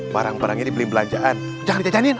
barang barang ini beliin belanjaan jangan ditajanin